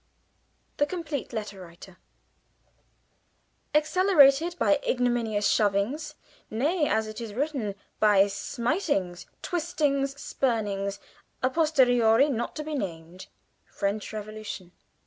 10. The Complete Letter Writer "Accelerated by ignominious shovings nay, as it is written, by smitings, twitchings, spurnings à posteriori not to be named." _French Revolution.